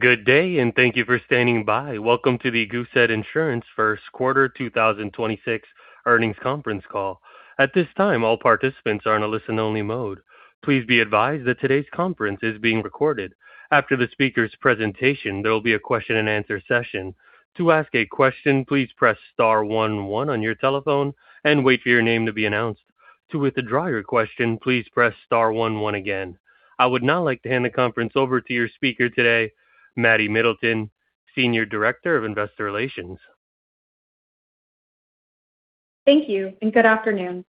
Good day, and thank you for standing by. Welcome to the Goosehead Insurance Q1 2026 Earnings Conference Call. At this time, all participants are in a listen-only mode. Please be advised that today's conference is being recorded. After the speaker's presentation, there will be a question-and-answer session. To ask a question, please press star one one on your telephone and wait for your name to be announced. To withdraw your question, please press star one one again. I would now like to hand the conference over to your speaker today, Maddie Middleton, Senior Director of Investor Relations. Thank you, and good afternoon.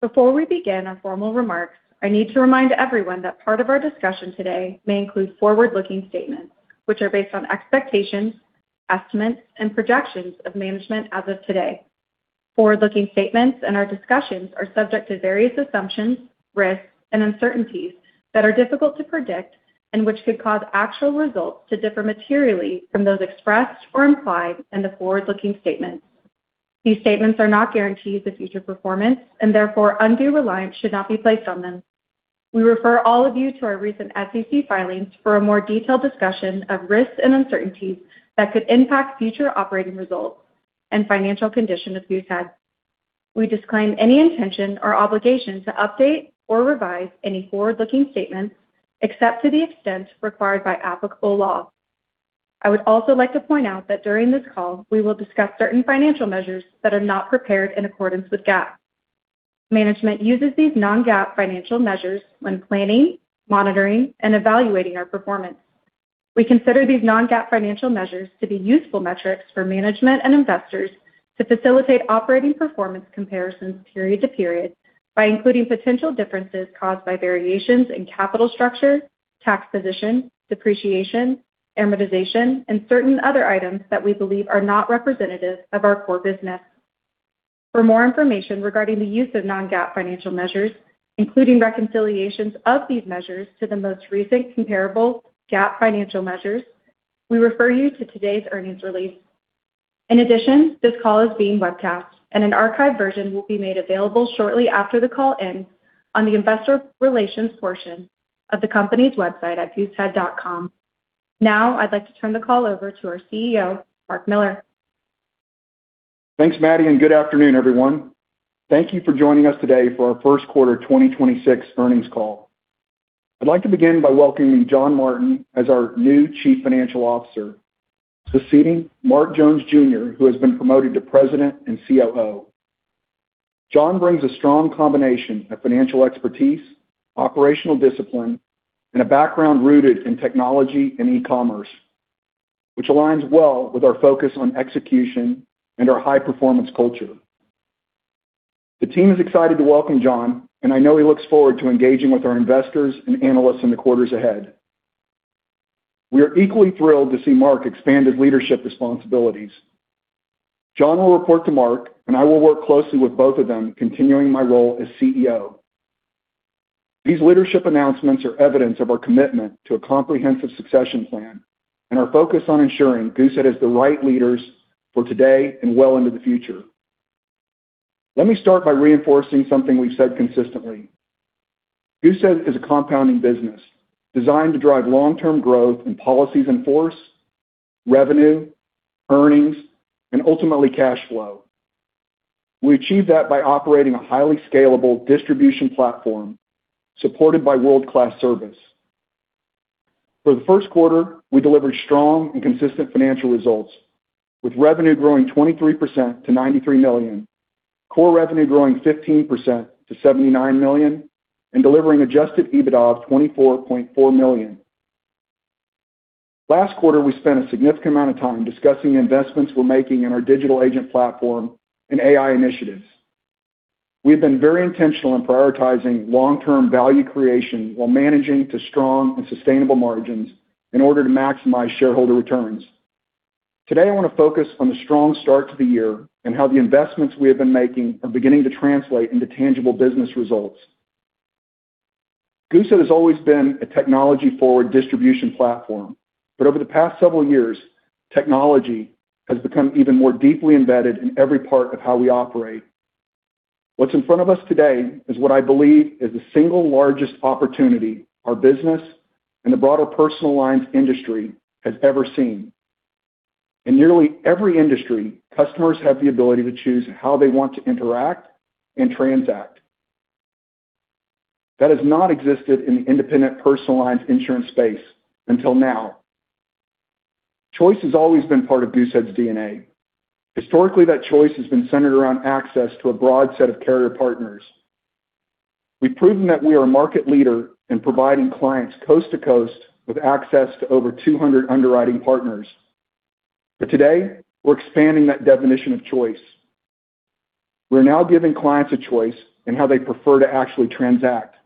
Before we begin our formal remarks, I need to remind everyone that part of our discussion today may include forward-looking statements, which are based on expectations, estimates, and projections of management as of today. Forward-looking statements and our discussions are subject to various assumptions, risks, and uncertainties that are difficult to predict and which could cause actual results to differ materially from those expressed or implied in the forward-looking statements. These statements are not guarantees of future performance and therefore undue reliance should not be placed on them. We refer all of you to our recent SEC filings for a more detailed discussion of risks and uncertainties that could impact future operating results and financial condition of Goosehead. We disclaim any intention or obligation to update or revise any forward-looking statements, except to the extent required by applicable law. I would also like to point out that during this call, we will discuss certain financial measures that are not prepared in accordance with GAAP. Management uses these non-GAAP financial measures when planning, monitoring, and evaluating our performance. We consider these non-GAAP financial measures to be useful metrics for management and investors to facilitate operating performance comparisons period to period by including potential differences caused by variations in capital structure, tax position, depreciation, amortization, and certain other items that we believe are not representative of our core business. For more information regarding the use of non-GAAP financial measures, including reconciliations of these measures to the most recent comparable GAAP financial measures, we refer you to today's earnings release. In addition, this call is being webcast, and an archive version will be made available shortly after the call ends on the investor relations portion of the company's website at goosehead.com. Now, I'd like to turn the call over to our CEO, Mark Miller. Thanks, Maddie, and good afternoon, everyone. Thank you for joining us today for our Q1 2026 earnings call. I'd like to begin by welcoming John Martin as our new Chief Financial Officer, succeeding Mark Jones, Jr., who has been promoted to President and COO. John brings a strong combination of financial expertise, operational discipline, and a background rooted in technology and e-commerce, which aligns well with our focus on execution and our high-performance culture. The team is excited to welcome John, and I know he looks forward to engaging with our investors and analysts in the quarters ahead. We are equally thrilled to see Mark expand his leadership responsibilities. John will report to Mark, and I will work closely with both of them, continuing my role as CEO. These leadership announcements are evidence of our commitment to a comprehensive succession plan and our focus on ensuring Goosehead has the right leaders for today and well into the future. Let me start by reinforcing something we've said consistently. Goosehead is a compounding business designed to drive long-term growth in policies in force, revenue, earnings, and ultimately, cash flow. We achieve that by operating a highly scalable distribution platform supported by world-class service. For the Q1, we delivered strong and consistent financial results, with revenue growing 23% to $93 million, core revenue growing 15% to $79 million, and delivering adjusted EBITDA of $24.4 million. Last quarter, we spent a significant amount of time discussing the investments we're making in our digital agent platform and AI initiatives. We have been very intentional in prioritizing long-term value creation while managing to strong and sustainable margins in order to maximize shareholder returns. Today, I want to focus on the strong start to the year and how the investments we have been making are beginning to translate into tangible business results. Goosehead has always been a technology-forward distribution platform, but over the past several years, technology has become even more deeply embedded in every part of how we operate. What's in front of us today is what I believe is the single largest opportunity our business and the broader personal lines industry has ever seen. In nearly every industry, customers have the ability to choose how they want to interact and transact. That has not existed in the independent personal lines insurance space until now. Choice has always been part of Goosehead's DNA. Historically, that choice has been centered around access to a broad set of carrier partners. We've proven that we are a market leader in providing clients coast to coast with access to over 200 underwriting partners. Today, we're expanding that definition of choice. We're now giving clients a choice in how they prefer to actually transact.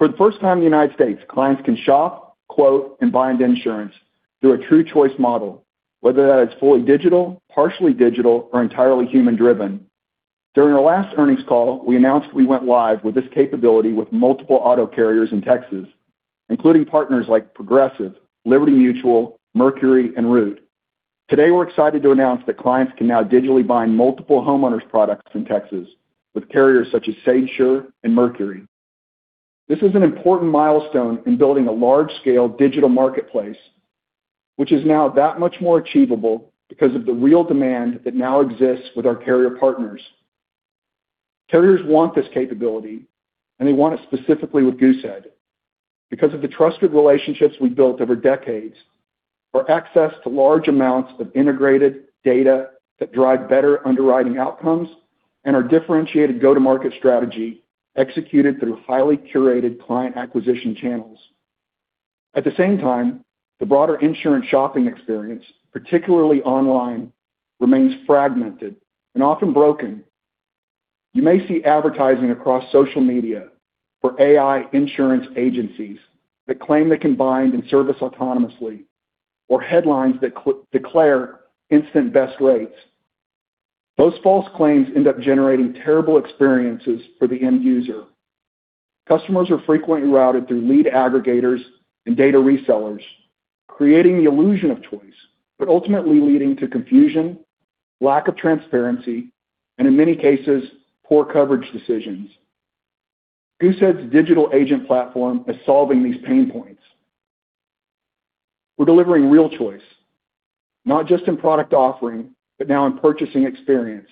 For the first time in the United States, clients can shop, quote, and bind insurance through a true choice model, whether that is fully digital, partially digital, or entirely human-driven. During our last earnings call, we announced we went live with this capability with multiple auto carriers in Texas, including partners like Progressive, Liberty Mutual, Mercury, and Root. Today, we're excited to announce that clients can now digitally bind multiple homeowners products in Texas with carriers such as SageSure and Mercury. This is an important milestone in building a large-scale digital marketplace, which is now that much more achievable because of the real demand that now exists with our carrier partners. Carriers want this capability, and they want it specifically with Goosehead because of the trusted relationships we've built over decades, our access to large amounts of integrated data that drive better underwriting outcomes, and our differentiated go-to-market strategy executed through highly curated client acquisition channels. At the same time, the broader insurance shopping experience, particularly online, remains fragmented and often broken. You may see advertising across social media for AI insurance agencies that claim they can bind and service autonomously, or headlines that declare instant best rates. Those false claims end up generating terrible experiences for the end user. Customers are frequently routed through lead aggregators and data resellers, creating the illusion of choice, but ultimately leading to confusion, lack of transparency, and in many cases, poor coverage decisions. Goosehead's Digital Agent Platform is solving these pain points. We're delivering real choice, not just in product offering, but now in purchasing experience.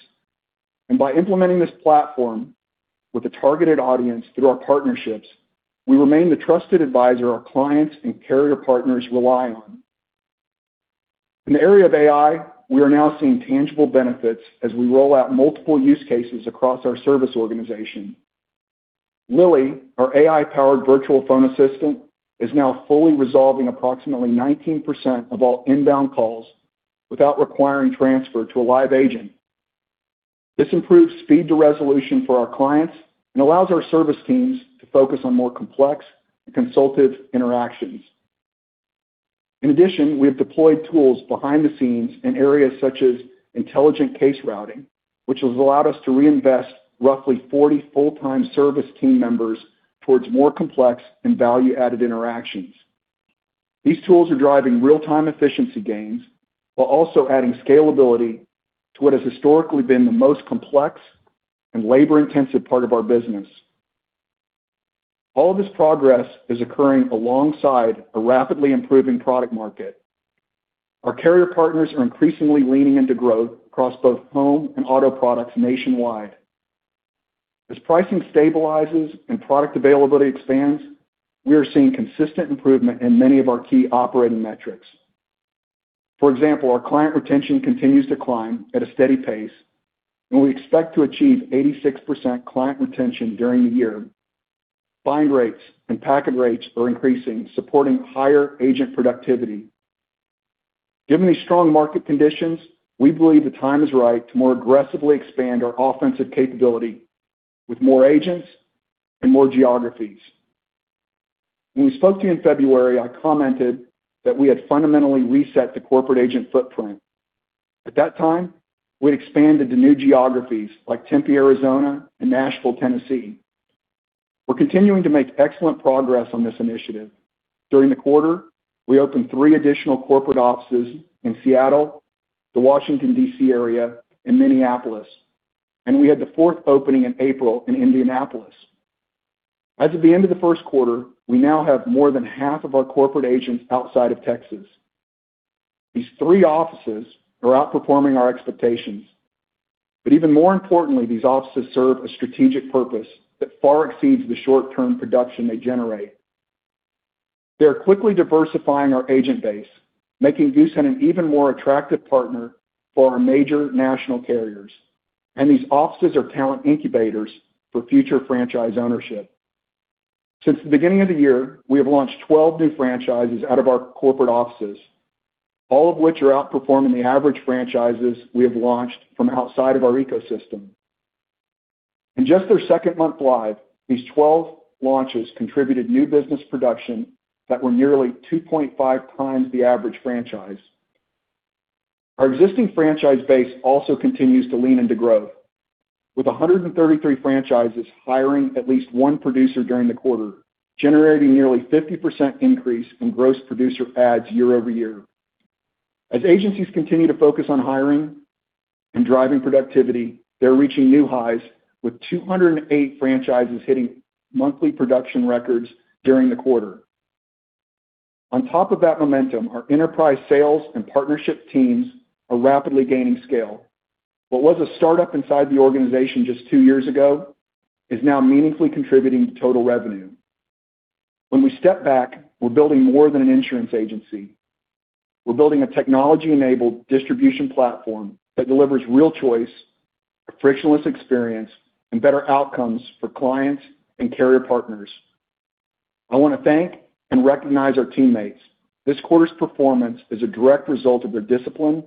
By implementing this platform with a targeted audience through our partnerships, we remain the trusted advisor our clients and carrier partners rely on. In the area of AI, we are now seeing tangible benefits as we roll out multiple use cases across our service organization. Lilly, our AI-powered virtual phone assistant, is now fully resolving approximately 19% of all inbound calls without requiring transfer to a live agent. This improves speed to resolution for our clients and allows our service teams to focus on more complex and consultive interactions. In addition, we have deployed tools behind the scenes in areas such as intelligent case routing, which has allowed us to reinvest roughly 40 full-time service team members towards more complex and value-added interactions. These tools are driving real-time efficiency gains while also adding scalability to what has historically been the most complex and labor-intensive part of our business. All this progress is occurring alongside a rapidly improving product market. Our carrier partners are increasingly leaning into growth across both home and auto products nationwide. As pricing stabilizes and product availability expands, we are seeing consistent improvement in many of our key operating metrics. For example, our client retention continues to climb at a steady pace, and we expect to achieve 86% client retention during the year. Bind rates and packet rates are increasing, supporting higher agent productivity. Given these strong market conditions, we believe the time is right to more aggressively expand our offensive capability with more agents in more geographies. When we spoke to you in February, I commented that we had fundamentally reset the corporate agent footprint. At that time, we had expanded to new geographies like Tempe, Arizona, and Nashville, Tennessee. We're continuing to make excellent progress on this initiative. During the quarter, we opened three additional corporate offices in Seattle, the Washington, D.C. area, and Minneapolis, and we had the fourth opening in April in Indianapolis. As of the end of the Q1, we now have more than half of our corporate agents outside of Texas. These three offices are outperforming our expectations. Even more importantly, these offices serve a strategic purpose that far exceeds the short-term production they generate. They are quickly diversifying our agent base, making Goosehead an even more attractive partner for our major national carriers. These offices are talent incubators for future franchise ownership. Since the beginning of the year, we have launched 12 new franchises out of our corporate offices, all of which are outperforming the average franchises we have launched from outside of our ecosystem. In just their second month live, these 12 launches contributed new business production that were nearly 2.5x the average franchise. Our existing franchise base also continues to lean into growth, with 133 franchises hiring at least one producer during the quarter, generating nearly 50% increase in gross producer adds year-over-year. As agencies continue to focus on hiring and driving productivity, they're reaching new highs with 208 franchises hitting monthly production records during the quarter. On top of that momentum, our enterprise sales and partnership teams are rapidly gaining scale. What was a startup inside the organization just two years ago is now meaningfully contributing to total revenue. When we step back, we're building more than an insurance agency. We're building a technology-enabled distribution platform that delivers real choice, a frictionless experience, and better outcomes for clients and carrier partners. I want to thank and recognize our teammates. This quarter's performance is a direct result of their discipline,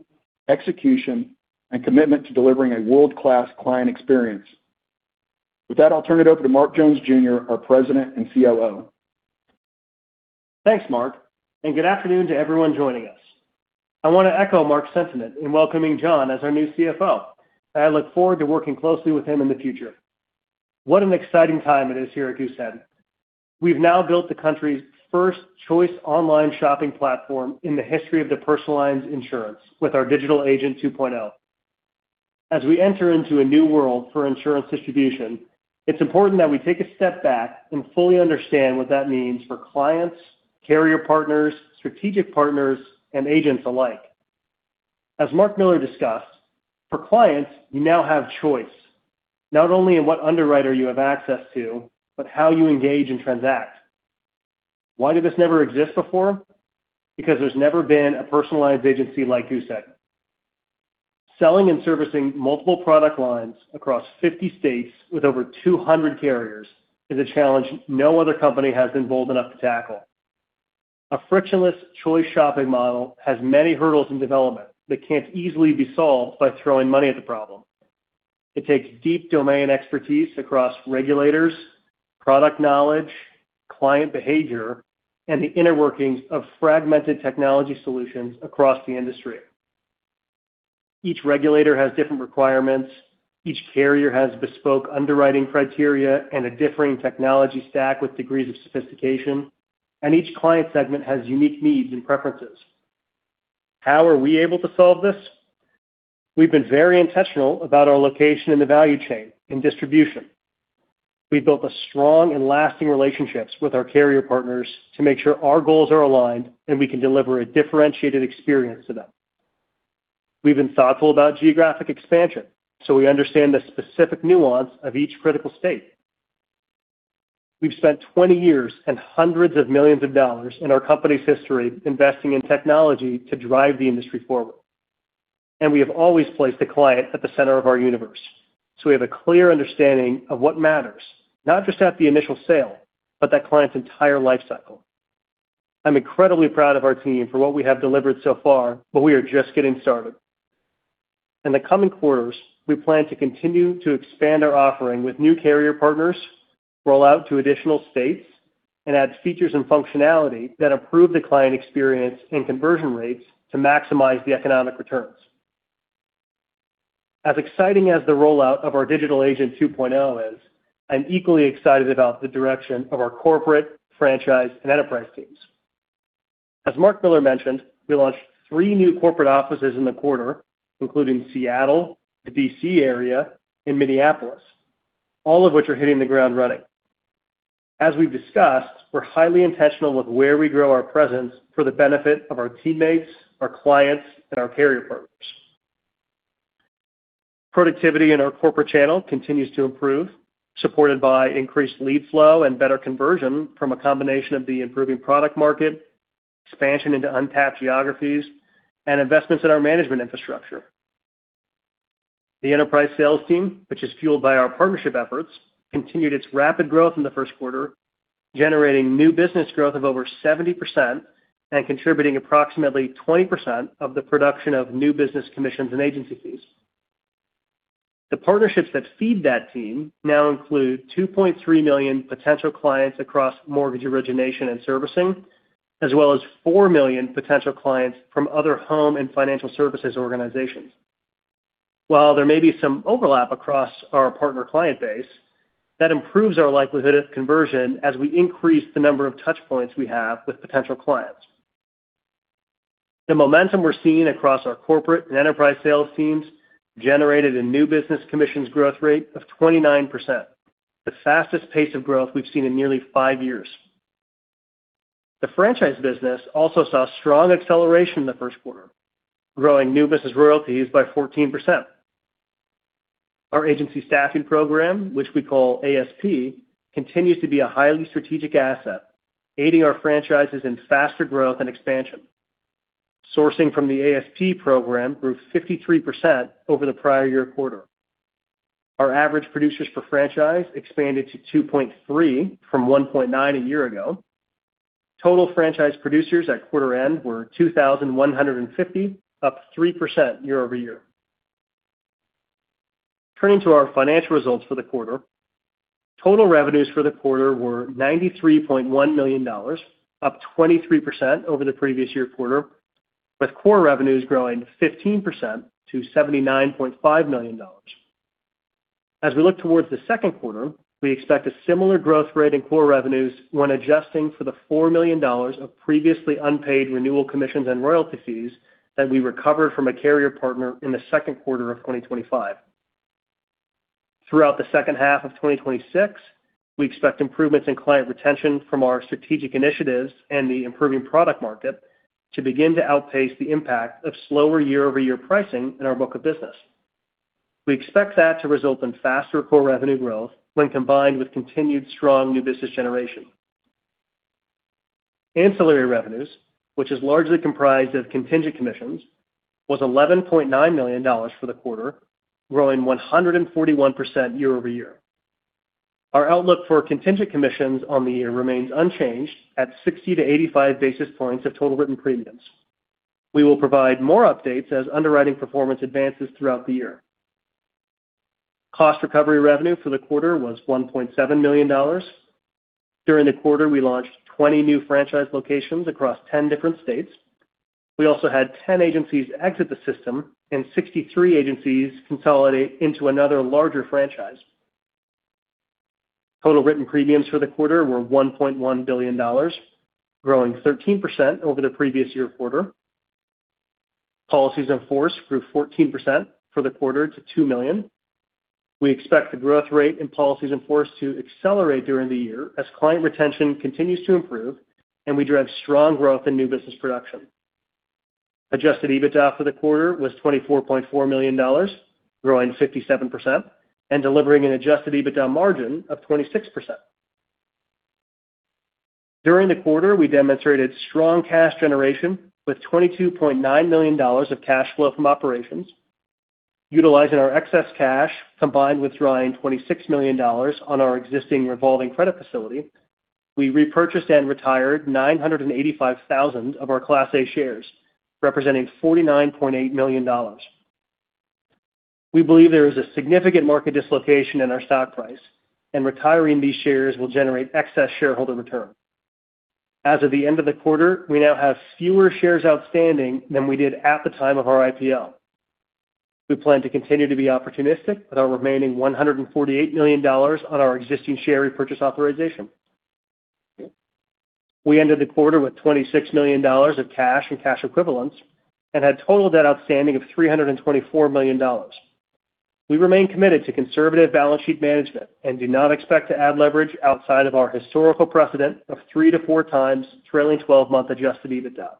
execution, and commitment to delivering a world-class client experience. With that, I'll turn it over to Mark Jones, Jr., our President and COO. Thanks, Mark, and good afternoon to everyone joining us. I want to echo Mark's sentiment in welcoming John as our new CFO, and I look forward to working closely with him in the future. What an exciting time it is here at Goosehead. We've now built the country's first choice online shopping platform in the history of the personalized insurance with our Digital Agent 2.0. As we enter into a new world for insurance distribution, it's important that we take a step back and fully understand what that means for clients, carrier partners, strategic partners, and agents alike. As Mark Miller discussed, for clients, you now have choice, not only in what underwriter you have access to, but how you engage and transact. Why did this never exist before? Because there's never been a personalized agency like Goosehead. Selling and servicing multiple product lines across 50 states with over 200 carriers is a challenge no other company has been bold enough to tackle. A frictionless choice shopping model has many hurdles in development that can't easily be solved by throwing money at the problem. It takes deep domain expertise across regulators, product knowledge, client behavior, and the inner workings of fragmented technology solutions across the industry. Each regulator has different requirements, each carrier has bespoke underwriting criteria and a differing technology stack with degrees of sophistication, and each client segment has unique needs and preferences. How are we able to solve this? We've been very intentional about our location in the value chain in distribution. We've built strong and lasting relationships with our carrier partners to make sure our goals are aligned, and we can deliver a differentiated experience to them. We've been thoughtful about geographic expansion, so we understand the specific nuance of each critical state. We've spent 20 years and $hundreds of millions in our company's history investing in technology to drive the industry forward, and we have always placed the client at the center of our universe. We have a clear understanding of what matters, not just at the initial sale, but that client's entire life cycle. I'm incredibly proud of our team for what we have delivered so far, but we are just getting started. In the coming quarters, we plan to continue to expand our offering with new carrier partners, roll out to additional states, and add features and functionality that improve the client experience and conversion rates to maximize the economic returns. As exciting as the rollout of our Digital Agent 2.0 is, I'm equally excited about the direction of our corporate, franchise, and enterprise teams. As Mark Miller mentioned, we launched three new corporate offices in the quarter, including Seattle, the D.C. area, and Minneapolis, all of which are hitting the ground running. As we've discussed, we're highly intentional with where we grow our presence for the benefit of our teammates, our clients, and our carrier partners. Productivity in our corporate channel continues to improve, supported by increased lead flow and better conversion from a combination of the improving product market, expansion into untapped geographies, and investments in our management infrastructure. The enterprise sales team, which is fueled by our partnership efforts, continued its rapid growth in the Q1, generating new business growth of over 70% and contributing approximately 20% of the production of new business commissions and agency fees. The partnerships that feed that team now include 2.3 million potential clients across mortgage origination and servicing, as well as 4 million potential clients from other home and financial services organizations. While there may be some overlap across our partner client base, that improves our likelihood of conversion as we increase the number of touchpoints we have with potential clients. The momentum we're seeing across our corporate and enterprise sales teams generated a new business commissions growth rate of 29%, the fastest pace of growth we've seen in nearly five years. The franchise business also saw strong acceleration in the Q1, growing new business royalties by 14%. Our agency staffing program, which we call ASP, continues to be a highly strategic asset, aiding our franchises in faster growth and expansion. Sourcing from the ASP program grew 53% over the prior- year-quarter. Our average producers per franchise expanded to 2.3 from 1.9 a year ago. Total franchise producers at quarter-end were 2,150, up 3% year-over-year. Turning to our financial results for the quarter, total revenues for the quarter were $93.1 million, up 23% over the previous year quarter, with core revenues growing 15% to $79.5 million. As we look towards the second quarter, we expect a similar growth rate in core revenues when adjusting for the $4 million of previously unpaid renewal commissions and royalty fees that we recovered from a carrier partner in the Q2 of 2025. Throughout the H2 of 2026, we expect improvements in client retention from our strategic initiatives and the improving product market to begin to outpace the impact of slower year-over-year pricing in our book of business. We expect that to result in faster core revenue growth when combined with continued strong new business generation. Ancillary revenues, which is largely comprised of contingent commissions, was $11.9 million for the quarter, growing 141% year-over-year. Our outlook for contingent commissions on the year remains unchanged at 60 basis points to 85 basis points of total written premiums. We will provide more updates as underwriting performance advances throughout the year. Cost recovery revenue for the quarter was $1.7 million. During the quarter, we launched 20 new franchise locations across 10 different states. We also had 10 agencies exit the system and 63 agencies consolidate into another larger franchise. Total written premiums for the quarter were $1.1 billion, growing 13% over the previous year quarter. Policies in force grew 14% for the quarter to 2 million. We expect the growth rate in policies in force to accelerate during the year as client retention continues to improve and we drive strong growth in new business production. adjusted EBITDA for the quarter was $24.4 million, growing 57% and delivering an adjusted EBITDA margin of 26%. During the quarter, we demonstrated strong cash generation with $22.9 million of cash flow from operations. Utilizing our excess cash, combined with drawing $26 million on our existing revolving credit facility, we repurchased and retired 985,000 of our Class A shares, representing $49.8 million. We believe there is a significant market dislocation in our stock price, and retiring these shares will generate excess shareholder return. As of the end of the quarter, we now have fewer shares outstanding than we did at the time of our IPO. We plan to continue to be opportunistic with our remaining $148 million on our existing share repurchase authorization. We ended the quarter with $26 million of cash and cash equivalents and had total debt outstanding of $324 million. We remain committed to conservative balance sheet management and do not expect to add leverage outside of our historical precedent of 3.0x to 4.0x trailing 12-month adjusted EBITDA.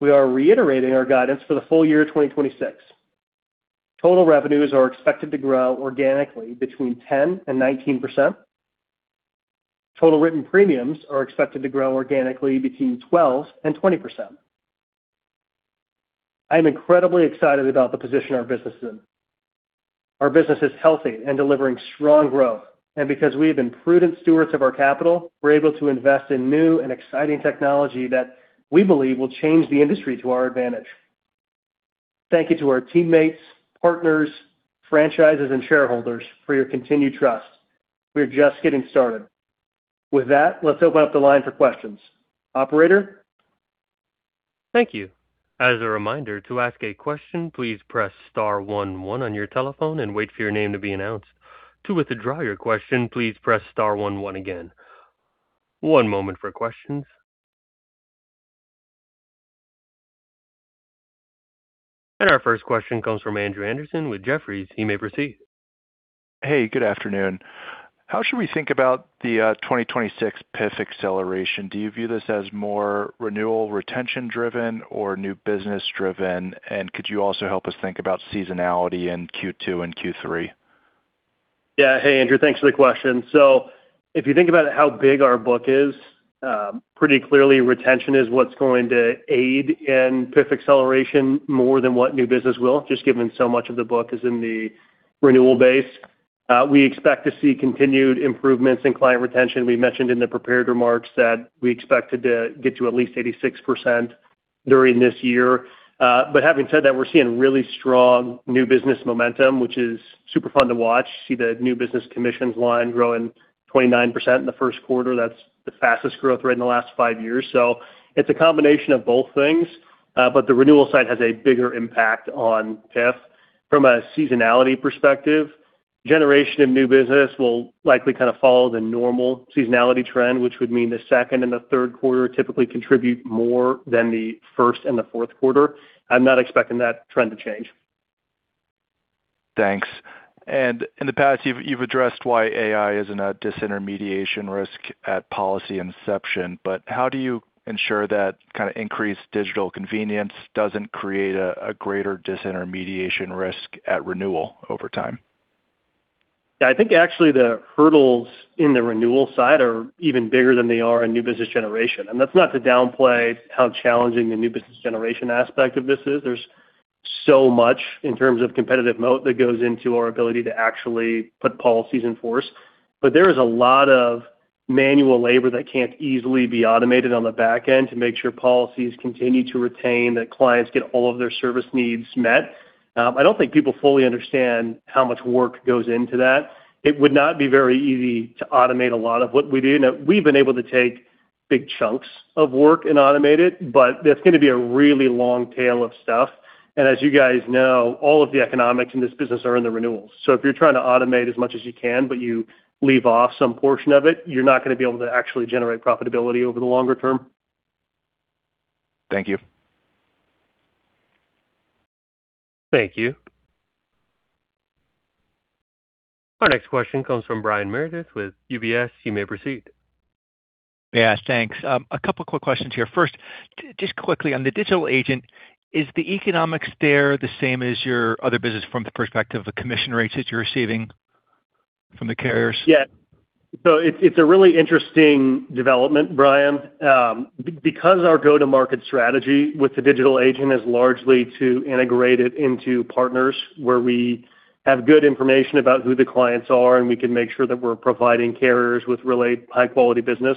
We are reiterating our guidance for the full-year 2026. Total revenues are expected to grow organically between 10% and 19%. Total written premiums are expected to grow organically between 12% and 20%. I'm incredibly excited about the position our business is in. Our business is healthy and delivering strong growth. Because we have been prudent stewards of our capital, we're able to invest in new and exciting technology that we believe will change the industry to our advantage. Thank you to our teammates, partners, franchises, and shareholders for your continued trust. We're just getting started. With that, let's open up the line for questions. Operator? Thank you. As a reminder, to ask a question, please press star one one on your telephone and wait for your name to be announced. To withdraw your question, please press star one one again. One moment for questions. Our first question comes from Andrew Andersen with Jefferies. You may proceed. Hey, good afternoon. How should we think about the 2026 PIF acceleration? Do you view this as more renewal retention driven or new business driven? Could you also help us think about seasonality in Q2 and Q3? Yeah. Hey, Andrew. Thanks for the question. If you think about how big our book is, pretty clearly retention is what's going to aid in PIF acceleration more than what new business will, just given so much of the book is in the renewal base. We expect to see continued improvements in client retention. We mentioned in the prepared remarks that we expected to get to at least 86% during this year. Having said that, we're seeing really strong new business momentum, which is super fun to watch. See the new business commissions line growing 29% in the Q1. That's the fastest growth rate in the last five years. It's a combination of both things, but the renewal side has a bigger impact on PIF. From a seasonality perspective, generation of new business will likely kind of follow the normal seasonality trend, which would mean the second and the third quarter typically contribute more than the first and the Q4. I'm not expecting that trend to change. Thanks. In the past, you've addressed why AI isn't a disintermediation risk at policy inception, but how do you ensure that increased digital convenience doesn't create a greater disintermediation risk at renewal over time? Yeah, I think actually the hurdles in the renewal side are even bigger than they are in new business generation. That's not to downplay how challenging the new business generation aspect of this is. There's so much in terms of competitive moat that goes into our ability to actually put policies in force. There is a lot of manual labor that can't easily be automated on the back end to make sure policies continue to retain, that clients get all of their service needs met. I don't think people fully understand how much work goes into that. It would not be very easy to automate a lot of what we do. Now, we've been able to take big chunks of work and automate it, but that's going to be a really long tail of stuff. As you guys know, all of the economics in this business are in the renewals. If you're trying to automate as much as you can, but you leave off some portion of it, you're not going to be able to actually generate profitability over the longer term. Thank you. Thank you. Our next question comes from Brian Meredith with UBS. You may proceed. Yeah, thanks. A couple quick questions here. First, just quickly on the Digital Agent, is the economics there the same as your other business from the perspective of the commission rates that you're receiving from the carriers? Yeah. It's a really interesting development, Brian. Because our go-to-market strategy with the digital agent is largely to integrate it into partners where we have good information about who the clients are, and we can make sure that we're providing carriers with really high-quality business.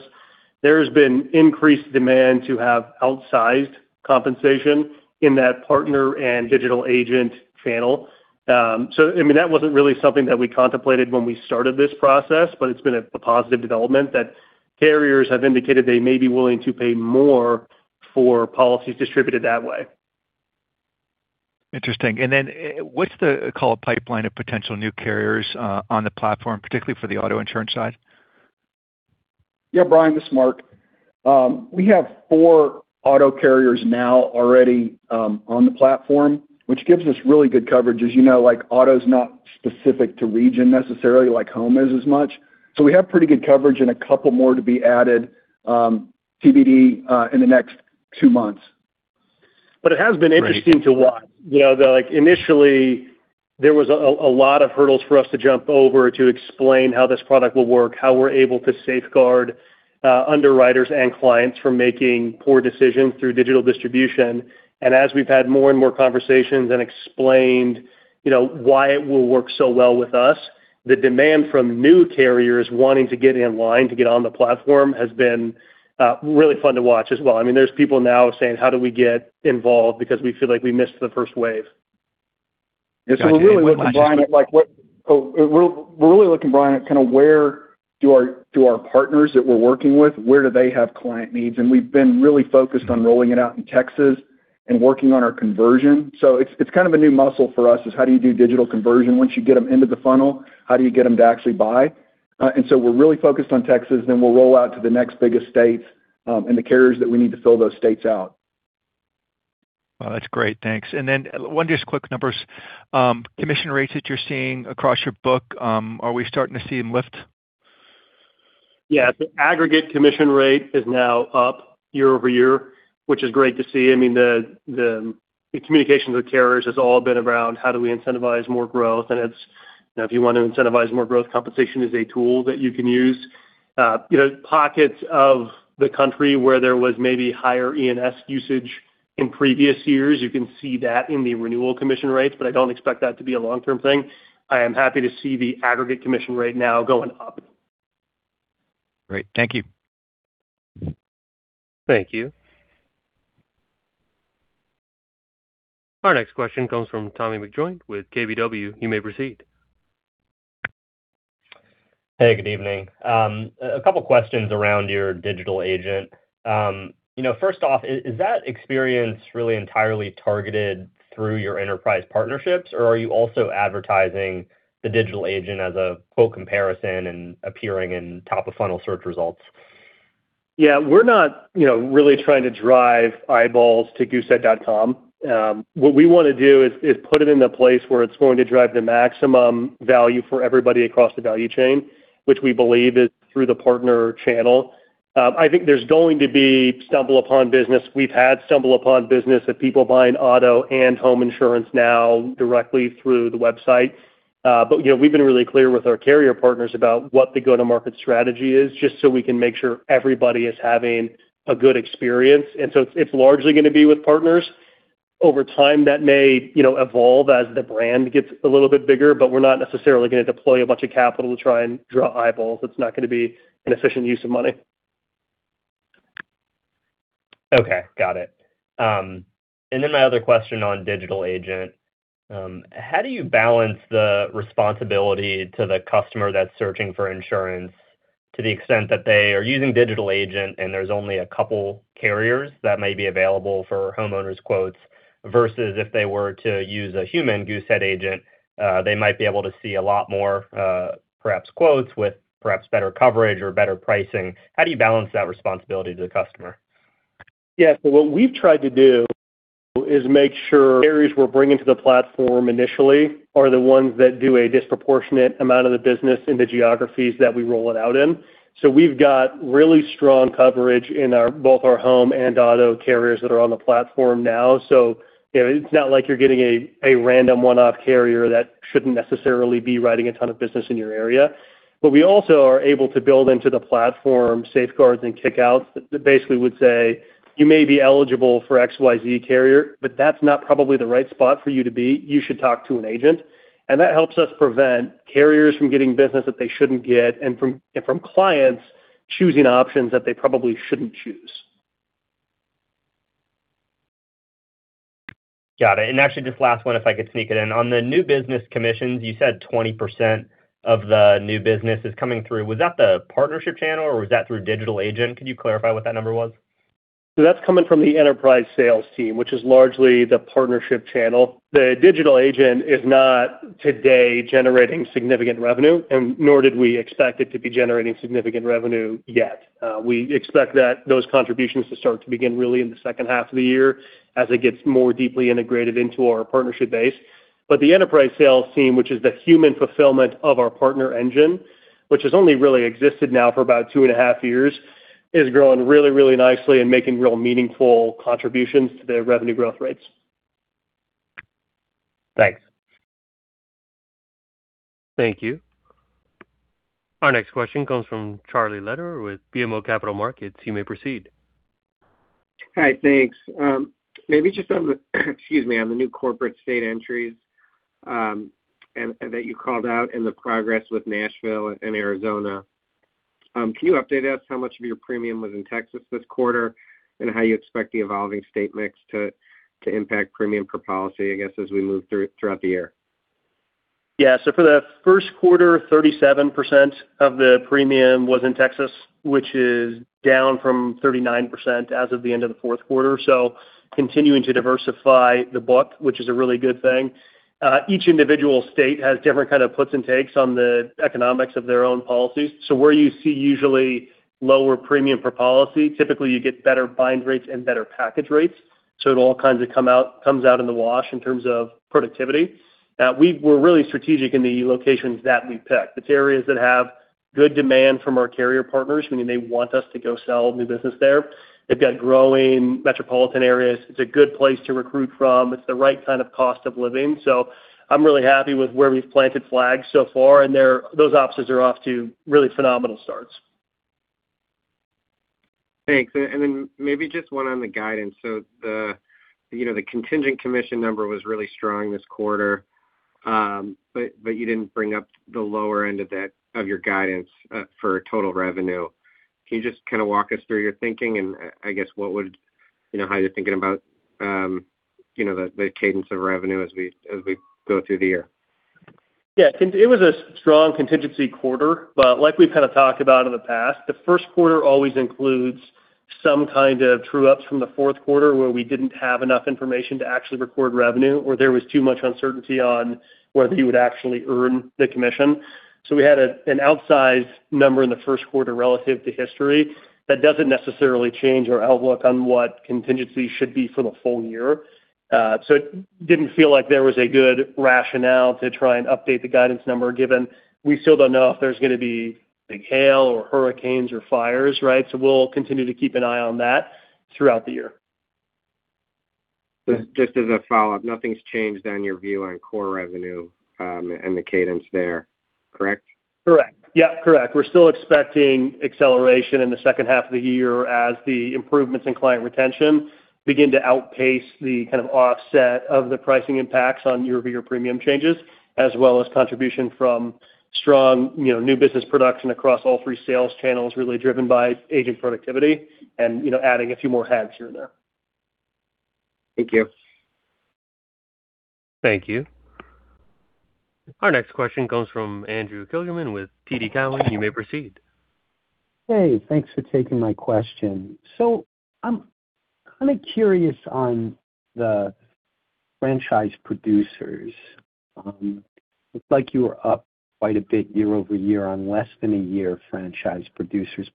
There's been increased demand to have outsized compensation in that partner and digital agent channel. That wasn't really something that we contemplated when we started this process, but it's been a positive development that carriers have indicated they may be willing to pay more for policies distributed that way. Interesting. What's the call pipeline of potential new carriers on the platform, particularly for the auto insurance side? Yeah, Brian, this is Mark. We have four auto carriers now already on the platform, which gives us really good coverage. As you know, auto's not specific to region necessarily, like home is as much. We have pretty good coverage and a couple more to be added, TBD, in the next two months. Great. It has been interesting to watch. Initially, there was a lot of hurdles for us to jump over to explain how this product will work, how we're able to safeguard underwriters and clients from making poor decisions through digital distribution. As we've had more and more conversations and explained why it will work so well with us, the demand from new carriers wanting to get in line to get on the platform has been really fun to watch as well. There's people now saying, "How do we get involved because we feel like we missed the first wave? Got you. We're really looking, Brian, at where do our partners that we're working with, where do they have client needs? We've been really focused on rolling it out in Texas and working on our conversion. It's kind of a new muscle for us, is how do you do digital conversion? Once you get them into the funnel, how do you get them to actually buy? We're really focused on Texas, then we'll roll out to the next biggest states, and the carriers that we need to fill those states out. Well, that's great. Thanks. One just quick question on the numbers. Commission rates that you're seeing across your book, are we starting to see them lift? Yeah. The aggregate commission rate is now up year-over-year, which is great to see. The communications with carriers has all been around how do we incentivize more growth. And if you want to incentivize more growth, compensation is a tool that you can use. Pockets of the country where there was maybe higher E&S usage in previous years, you can see that in the renewal commission rates, but I don't expect that to be a long-term thing. I am happy to see the aggregate commission rate now going up. Great. Thank you. Thank you. Our next question comes from Tommy McJoynt with KBW. You may proceed. Hey, good evening. A couple questions around your Digital Agent. First off, is that experience really entirely targeted through your enterprise partnerships, or are you also advertising the Digital Agent as a quote comparison and appearing in top of funnel search results? Yeah. We're not really trying to drive eyeballs to goosehead.com. What we want to do is put it in the place where it's going to drive the maximum value for everybody across the value chain, which we believe is through the partner channel. I think there's going to be stumble upon business. We've had stumble upon business of people buying auto and home insurance now directly through the website. We've been really clear with our carrier partners about what the go-to-market strategy is, just so we can make sure everybody is having a good experience. It's largely going to be with partners. Over time, that may evolve as the brand gets a little bit bigger, but we're not necessarily going to deploy a bunch of capital to try and draw eyeballs. It's not going to be an efficient use of money. Okay. Got it. My other question on Digital Agent: how do you balance the responsibility to the customer that's searching for insurance to the extent that they are using Digital Agent and there's only a couple carriers that may be available for homeowners' quotes, versus if they were to use a human Goosehead agent, they might be able to see a lot more perhaps quotes with perhaps better coverage or better pricing? How do you balance that responsibility to the customer? Yeah. What we've tried to do is make sure carriers we're bringing to the platform initially are the ones that do a disproportionate amount of the business in the geographies that we roll it out in. We've got really strong coverage in both our home and auto carriers that are on the platform now. It's not like you're getting a random one-off carrier that shouldn't necessarily be writing a ton of business in your area. We also are able to build into the platform safeguards and kick outs that basically would say, "You may be eligible for XYZ carrier, but that's not probably the right spot for you to be. You should talk to an agent." That helps us prevent carriers from getting business that they shouldn't get, and from clients choosing options that they probably shouldn't choose. Got it. Actually, just last one, if I could sneak it in. On the new business commissions, you said 20% of the new business is coming through. Was that the partnership channel or was that through Digital Agent? Could you clarify what that number was? That's coming from the enterprise sales team, which is largely the partnership channel. The digital agent is not today generating significant revenue, and nor did we expect it to be generating significant revenue yet. We expect those contributions to start to begin really in the H2 of the year as it gets more deeply integrated into our partnership base. The enterprise sales team, which is the human fulfillment of our partner engine, which has only really existed now for about two and a half years, is growing really nicely and making real meaningful contributions to the revenue growth rates. Thanks. Thank you. Our next question comes from Charlie Lederer with BMO Capital Markets. You may proceed. Hi, thanks. Maybe just on the new corporate state entries that you called out in the progress with Nashville and Arizona, can you update us how much of your premium was in Texas this quarter and how you expect the evolving state mix to impact premium per policy, I guess, as we move throughout the year? Yeah. For the Q1, 37% of the premium was in Texas, which is down from 39% as of the end of the Q4, continuing to diversify the book, which is a really good thing. Each individual state has different kind of puts and takes on the economics of their own policies. Where you see usually lower premium per policy, typically you get better bind rates and better package rates. It all kinds of comes out in the wash in terms of productivity. We're really strategic in the locations that we pick. It's areas that have good demand from our carrier partners, meaning they want us to go sell new business there. They've got growing metropolitan areas. It's a good place to recruit from. It's the right kind of cost of living. I'm really happy with where we've planted flags so far, and those offices are off to really phenomenal starts. Thanks. Then maybe just one on the guidance. The contingent commission number was really strong this quarter. You didn't bring up the lower end of your guidance for total revenue. Can you just kind of walk us through your thinking and I guess how you're thinking about the cadence of revenue as we go through the year? Yeah. It was a strong contingency quarter, but like we've kind of talked about in the past, the Q1 always includes some kind of true-ups from the Q4, where we didn't have enough information to actually record revenue, or there was too much uncertainty on whether you would actually earn the commission. We had an outsized number in the Q1 relative to history. That doesn't necessarily change our outlook on what contingencies should be for the full year. It didn't feel like there was a good rationale to try and update the guidance number, given we still don't know if there's going to be big hail or hurricanes or fires, right? We'll continue to keep an eye on that throughout the year. Just as a follow-up, nothing's changed on your view on core revenue, and the cadence there, correct? Correct. Yeah, correct. We're still expecting acceleration in the H2 of the year as the improvements in client retention begin to outpace the kind of offset of the pricing impacts on year-over-year premium changes, as well as contribution from strong new business production across all three sales channels, really driven by agent productivity and adding a few more heads here and there. Thank you. Thank you. Our next question comes from Andrew Kligerman with TD Cowen. You may proceed. Hey, thanks for taking my question. I'm kind of curious on the franchise producers. It looks like you were up quite a bit year-over-year on less than a year franchise producers,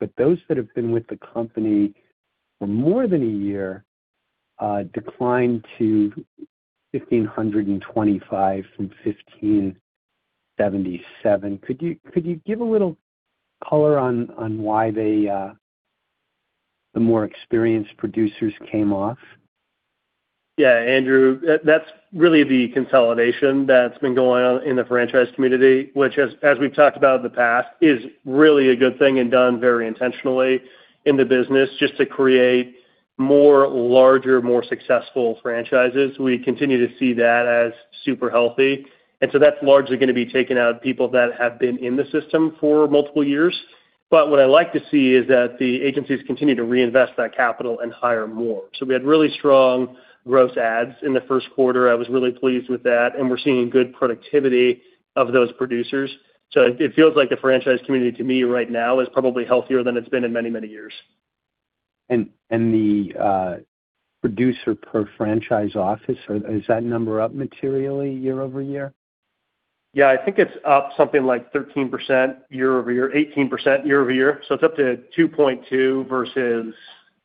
but those that have been with the company for more than a year declined to 1,525 from 1,577. Could you give a little color on why the more experienced producers came off? Yeah, Andrew, that's really the consolidation that's been going on in the franchise community, which as we've talked about in the past, is really a good thing and done very intentionally in the business just to create more larger, more successful franchises. We continue to see that as super healthy, and so that's largely going to be taken out of people that have been in the system for multiple years. What I like to see is that the agencies continue to reinvest that capital and hire more. We had really strong gross adds in the Q1. I was really pleased with that, and we're seeing good productivity of those producers. It feels like the franchise community to me right now is probably healthier than it's been in many years. The producer per franchise office, is that number up materially year-over-year? Yeah, I think it's up something like 18% year-over-year. It's up to 2.2 versus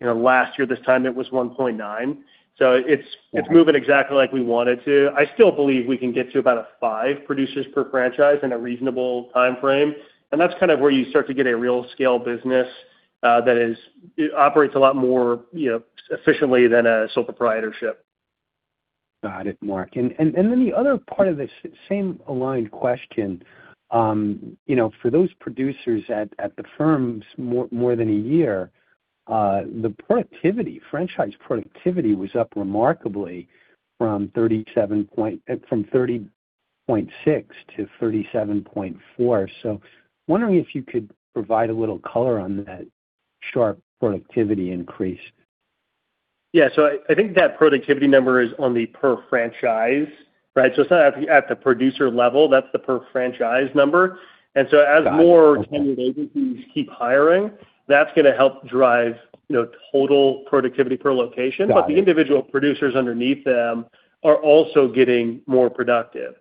last year, this time it was 1.9. It's moving exactly like we want it to. I still believe we can get to about five producers per franchise in a reasonable timeframe, and that's kind of where you start to get a real scale business that operates a lot more efficiently than a sole proprietorship. Got it, Mark. The other part of this same aligned question. For those producers at the firms more than a year, the franchise productivity was up remarkably from 30.6 to 37.4. Wondering if you could provide a little color on that sharp productivity increase. Yeah. I think that productivity number is on the per franchise, right? It's not at the producer level. That's the per franchise number. Got it. Okay. as more tenured agencies keep hiring, that's going to help drive total productivity per location. Got it. The individual producers underneath them are also getting more productive.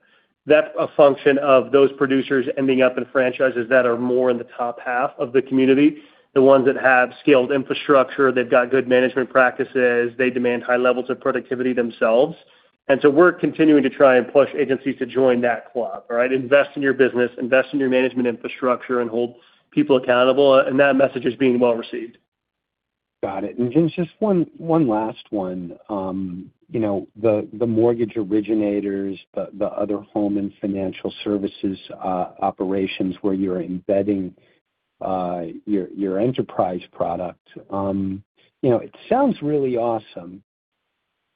That's a function of those producers ending up in franchises that are more in the top half of the community, the ones that have scaled infrastructure, they've got good management practices, they demand high levels of productivity themselves. We're continuing to try and push agencies to join that club, right? Invest in your business, invest in your management infrastructure, and hold people accountable, and that message is being well received. Got it. Just one last one. The mortgage originators, the other home and financial services operations where you're embedding, your enterprise product. It sounds really awesome.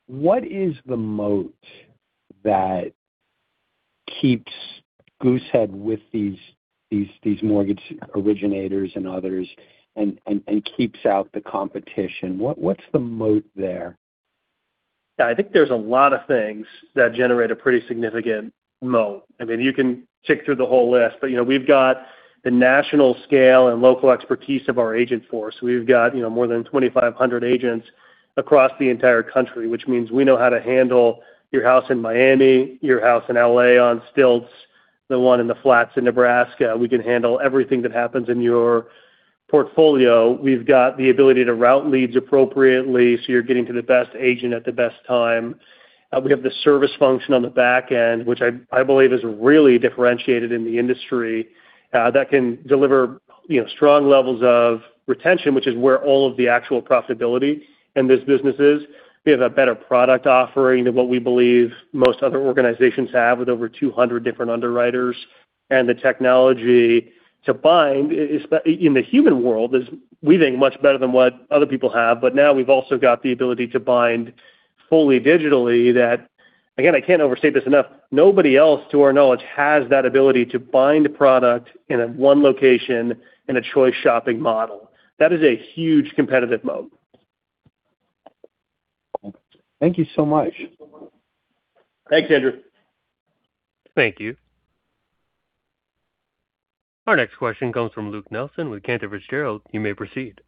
What is the moat that keeps Goosehead with these mortgage originators and others and keeps out the competition? What's the moat there? Yeah, I think there's a lot of things that generate a pretty significant moat. You can tick through the whole list, but we've got the national scale and local expertise of our agent force. We've got more than 2,500 agents across the entire country, which means we know how to handle your house in Miami, your house in L.A. on stilts, the one in the flats in Nebraska. We can handle everything that happens in your portfolio. We've got the ability to route leads appropriately, so you're getting to the best agent at the best time. We have the service function on the back end, which I believe is really differentiated in the industry that can deliver strong levels of retention, which is where all of the actual profitability in this business is. We have a better product offering than what we believe most other organizations have with over 200 different underwriters. The technology to bind in the human world is, we think, much better than what other people have. Now we've also got the ability to bind fully digitally that, again, I can't overstate this enough, nobody else, to our knowledge, has that ability to bind a product in one location in a choice shopping model. That is a huge competitive moat. Thank you so much. Thanks, Andrew. Thank you. Our next question comes from Luc Nelson with Cantor Fitzgerald. You may proceed.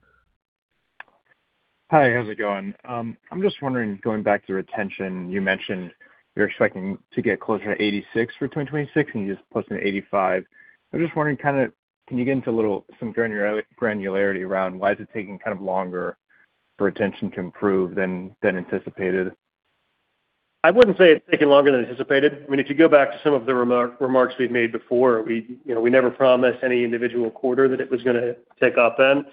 Hi, how's it going? I'm just wondering, going back to retention, you mentioned you're expecting to get closer to 86% for 2026, and you just posted an 85%. I'm just wondering, can you get into some granularity around why is it taking longer for retention to improve than anticipated? I wouldn't say it's taking longer than anticipated. If you go back to some of the remarks we've made before, we never promised any individual quarter that it was going to tick up then.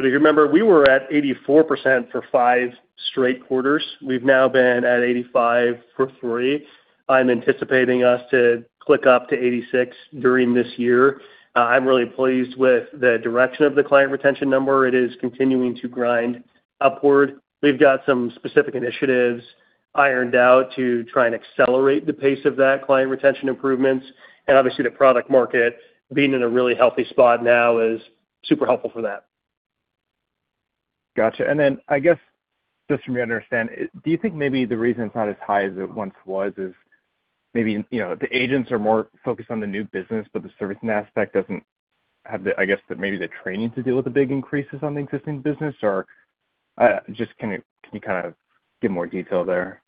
If you remember, we were at 84% for five straight quarters. We've now been at 85% for three. I'm anticipating us to click up to 86% during this year. I'm really pleased with the direction of the client retention number. It is continuing to grind upward. We've got some specific initiatives ironed out to try and accelerate the pace of that client retention improvements, and obviously the product market being in a really healthy spot now is super helpful for that. Got you. Then, I guess just from your understanding, do you think maybe the reason it's not as high as it once was is maybe the agents are more focused on the new business, but the servicing aspect doesn't have, I guess, maybe the training to deal with the big increases on the existing business? Or just can you give more detail there,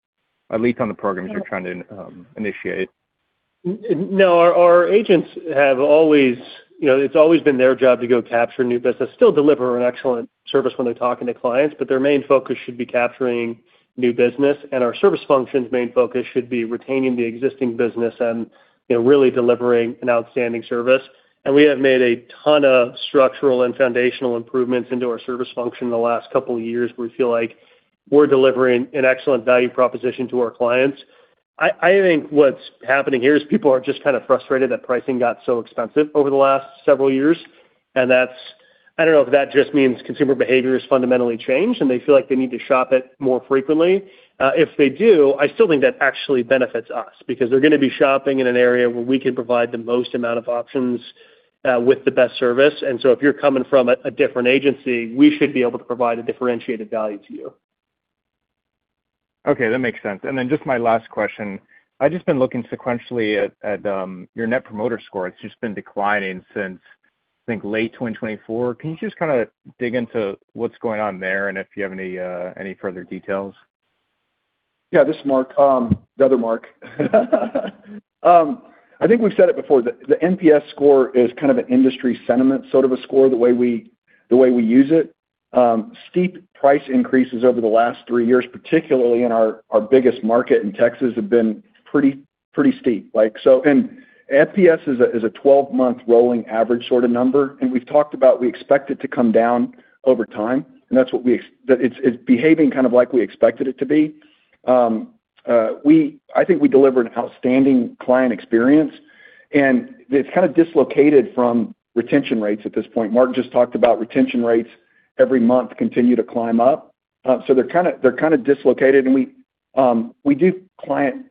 at least on the programs you're trying to initiate? No. Our agents, it's always been their job to go capture new business, still deliver an excellent service when they're talking to clients, but their main focus should be capturing new business, and our service function's main focus should be retaining the existing business and really delivering an outstanding service. We have made a ton of structural and foundational improvements into our service function in the last couple of years. We feel like we're delivering an excellent value proposition to our clients. I think what's happening here is people are just kind of frustrated that pricing got so expensive over the last several years. I don't know if that just means consumer behavior has fundamentally changed, and they feel like they need to shop it more frequently. If they do, I still think that actually benefits us because they're going to be shopping in an area where we can provide the most amount of options with the best service. If you're coming from a different agency, we should be able to provide a differentiated value to you. Okay, that makes sense. Just my last question, I've just been looking sequentially at your Net Promoter Score. It's just been declining since, I think, late 2024. Can you just kind of dig into what's going on there and if you have any further details? Yeah, this is Mark. The other Mark. I think we've said it before, the NPS score is kind of an industry sentiment sort of a score, the way we use it. Steep price increases over the last three years, particularly in our biggest market in Texas, have been pretty steep. NPS is a 12-month rolling average sort of number, and we've talked about we expect it to come down over time. It's behaving kind of like we expected it to be. I think we deliver an outstanding client experience, and it's kind of dislocated from retention rates at this point. Mark just talked about retention rates every month continue to climb up. They're kind of dislocated, and we do client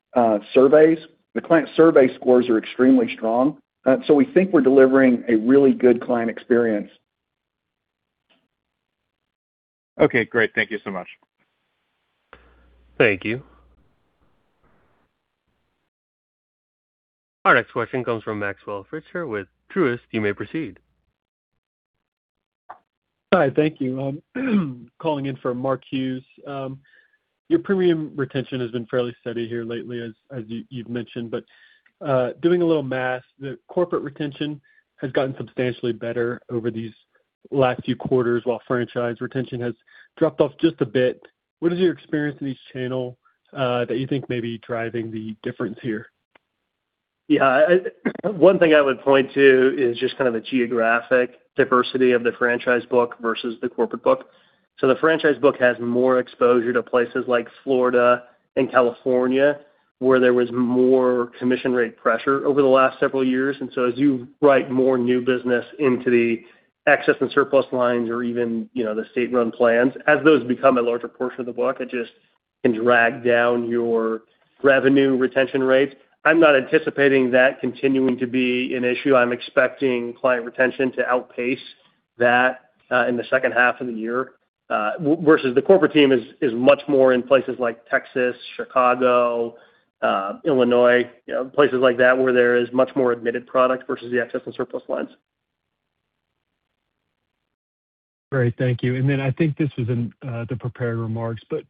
surveys. The client survey scores are extremely strong. We think we're delivering a really good client experience. Okay, great. Thank you so much. Thank you. Our next question comes from Maxwell Fritscher with Truist. You may proceed. Hi, thank you. I'm calling in for Mark Jones. Your premium retention has been fairly steady here lately, as you've mentioned, but doing a little math, the corporate retention has gotten substantially better over these last few quarters while franchise retention has dropped off just a bit. What is your experience in each channel that you think may be driving the difference here? Yeah. One thing I would point to is just kind of the geographic diversity of the franchise book versus the corporate book. The franchise book has more exposure to places like Florida and California, where there was more commission rate pressure over the last several years. As you write more new business into the excess and surplus lines or even the state-run plans, as those become a larger portion of the book, it just can drag down your revenue retention rates. I'm not anticipating that continuing to be an issue. I'm expecting client retention to outpace that in the second half of the year. Versus the corporate team is much more in places like Texas, Chicago, Illinois, places like that, where there is much more admitted product versus the excess and surplus lines. Great. Thank you. I think this is in the prepared remarks, but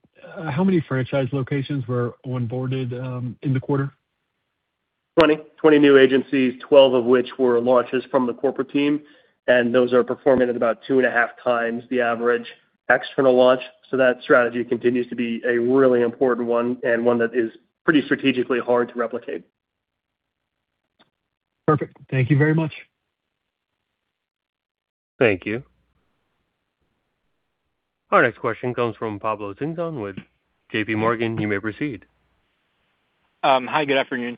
how many franchise locations were onboarded in the quarter? 20 new agencies, 12 of which were launches from the corporate team, and those are performing at about 2.5x the average external launch. That strategy continues to be a really important one and one that is pretty strategically hard to replicate. Perfect. Thank you very much. Thank you. Our next question comes from Pablo Singzon with JPMorgan. You may proceed. Hi, good afternoon.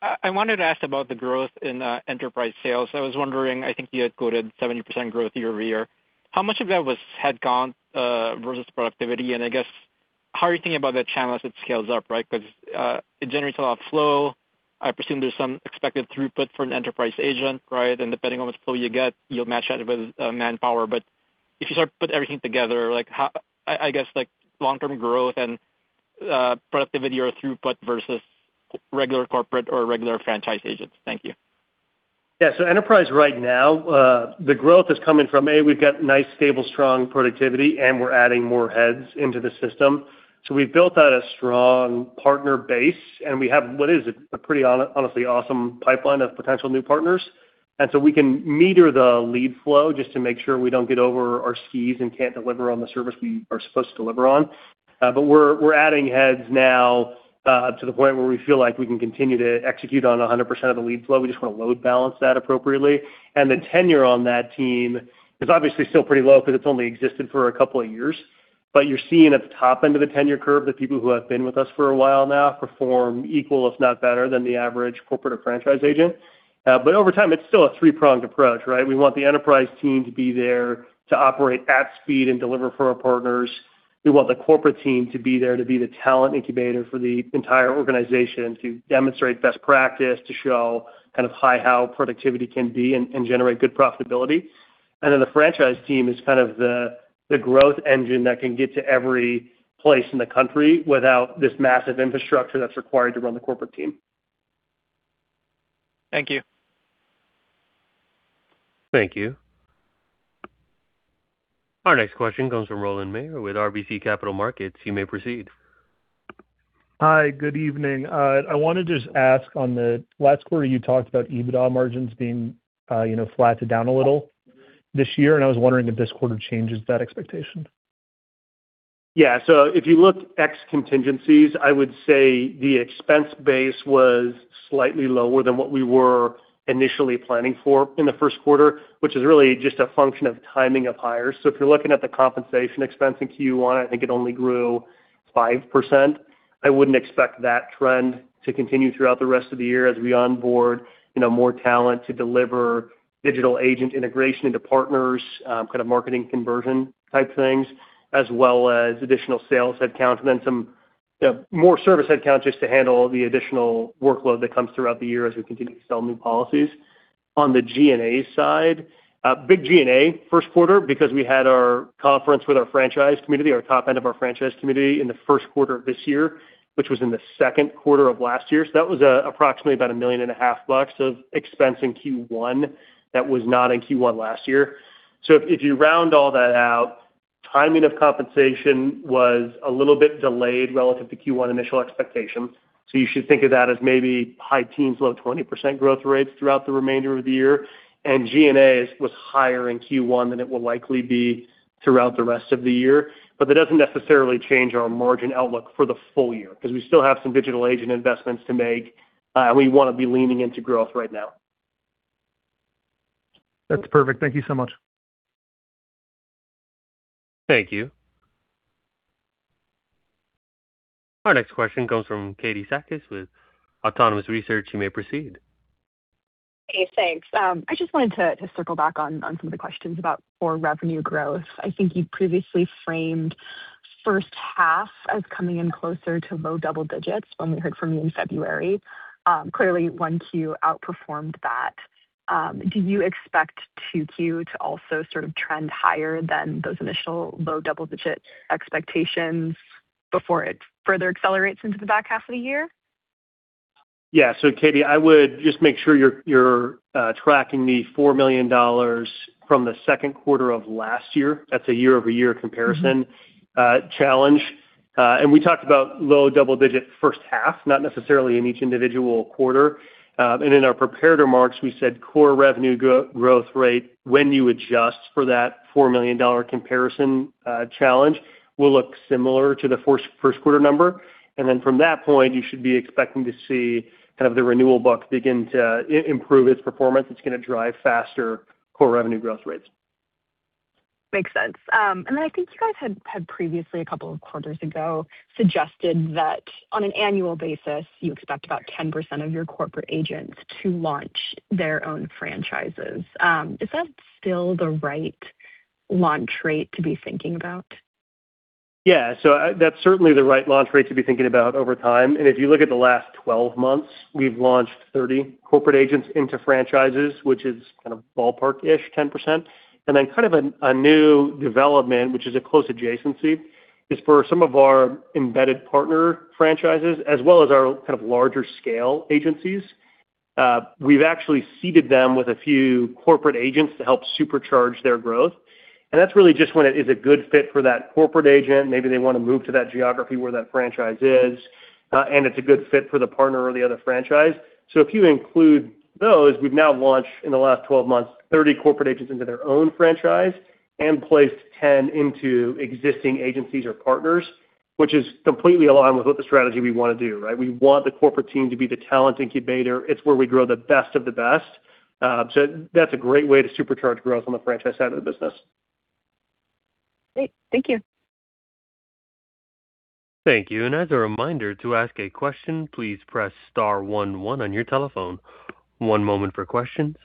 I wanted to ask about the growth in enterprise sales. I was wondering, I think you had quoted 70% year-over-year growth. How much of that had gone versus productivity, and I guess how are you thinking about that channel as it scales up, right? Because it generates a lot of flow. I presume there's some expected throughput for an enterprise agent, right? Depending on which flow you get, you'll match that with manpower. If you start to put everything together, I guess long-term growth and productivity or throughput versus regular corporate or regular franchise agents? Thank you. Yeah. Enterprise right now, the growth is coming from (A) we've got nice, stable, strong productivity, and we're adding more heads into the system. We've built out a strong partner base, and we have what is a pretty, honestly, awesome pipeline of potential new partners. We can meter the lead flow just to make sure we don't get over our skis and can't deliver on the service we are supposed to deliver on. We're adding heads now to the point where we feel like we can continue to execute on 100% of the lead flow. We just want to load balance that appropriately. The tenure on that team is obviously still pretty low because it's only existed for a couple of years. You're seeing at the top end of the tenure curve, the people who have been with us for a while now perform equal, if not better, than the average corporate or franchise agent. Over time, it's still a three-pronged approach, right? We want the enterprise team to be there to operate at speed and deliver for our partners. We want the corporate team to be there to be the talent incubator for the entire organization, to demonstrate best practice, to show kind of high how productivity can be and generate good profitability. Then the franchise team is kind of the growth engine that can get to every place in the country without this massive infrastructure that's required to run the corporate team. Thank you. Thank you. Our next question comes from Roland Mayer with RBC Capital Markets. You may proceed. Hi, good evening. I want to just ask on the last quarter, you talked about EBITDA margins being flat to down a little this year, and I was wondering if this quarter changes that expectation. Yeah. If you look ex contingencies, I would say the expense base was slightly lower than what we were initially planning for in the Q1, which is really just a function of timing of hires. If you're looking at the compensation expense in Q1, I think it only grew 5%. I wouldn't expect that trend to continue throughout the rest of the year as we onboard more talent to deliver digital agent integration into partners, kind of marketing conversion type things, as well as additional sales headcount, and then some more service headcount just to handle the additional workload that comes throughout the year as we continue to sell new policies. On the G&A side, big G&A Q1 because we had our conference with our franchise community, our top end of our franchise community in the Q1 of this year, which was in the Q2 of last year. That was approximately about $1.5 million of expense in Q1 that was not in Q1 last year. If you round all that out, timing of compensation was a little bit delayed relative to Q1 initial expectations. You should think of that as maybe high teens, low 20% growth rates throughout the remainder of the year. G&A was higher in Q1 than it will likely be throughout the rest of the year. That doesn't necessarily change our margin outlook for the full-year because we still have some Digital Agent investments to make, and we want to be leaning into growth right now. That's perfect. Thank you so much. Thank you. Our next question comes from Katie Sakys with Autonomous Research. You may proceed. Hey, thanks. I just wanted to circle back on some of the questions about core revenue growth. I think you previously framed H1 as coming in closer to low double digits when we heard from you in February. Clearly, Q1 outperformed that. Do you expect Q2 to also sort of trend higher than those initial low double-digit expectations before it further accelerates into the back half of the year? Yeah. Katie, I would just make sure you're tracking the $4 million from the Q2 of last year. That's a year-over-year comparison challenge. We talked about low double-digit first half, not necessarily in each individual quarter. In our prepared remarks, we said core revenue growth rate when you adjust for that $4 million comparison challenge will look similar to the Q1 number. From that point, you should be expecting to see the renewal book begin to improve its performance. It's going to drive faster core revenue growth rates. Makes sense. I think you guys had previously, a couple of quarters ago, suggested that on an annual basis, you expect about 10% of your corporate agents to launch their own franchises. Is that still the right launch rate to be thinking about? Yeah. That's certainly the right launch rate to be thinking about over time. If you look at the last 12 months, we've launched 30 corporate agents into franchises, which is kind of ballpark-ish 10%. Kind of a new development, which is a close adjacency, is for some of our embedded partner franchises as well as our larger scale agencies. We've actually seated them with a few corporate agents to help supercharge their growth. That's really just when it is a good fit for that corporate agent. Maybe they want to move to that geography where that franchise is, and it's a good fit for the partner or the other franchise. If you include those, we've now launched, in the last 12 months, 30 corporate agents into their own franchise and placed 10 into existing agencies or partners, which is completely aligned with what the strategy we want to do, right? We want the corporate team to be the talent incubator. It's where we grow the best of the best. That's a great way to supercharge growth on the franchise side of the business. Great. Thank you. Thank you. As a reminder, to ask a question, please press star one one on your telephone. One moment for questions.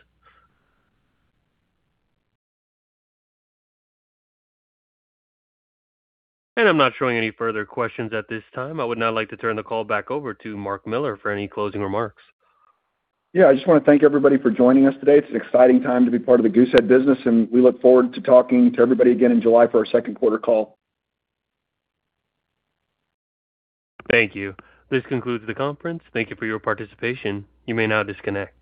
I'm not showing any further questions at this time. I would now like to turn the call back over to Mark Miller for any closing remarks. Yeah, I just want to thank everybody for joining us today. It's an exciting time to be part of the Goosehead business, and we look forward to talking to everybody again in July for our Q2 call. Thank you. This concludes the conference. Thank you for your participation. You may now disconnect.